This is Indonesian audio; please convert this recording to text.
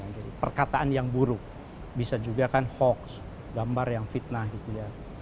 jadi perkataan yang buruk bisa juga kan hoax gambar yang fitnah gitu ya